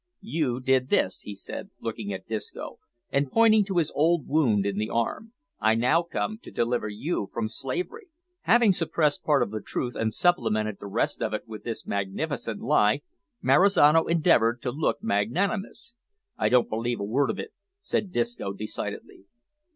You did this," he said, looking at Disco, and pointing to his old wound in the arm; "I now come to deliver you from slavery." Having suppressed part of the truth, and supplemented the rest of it with this magnificent lie, Marizano endeavoured to look magnanimous. "I don't believe a word of it," said Disco, decidedly.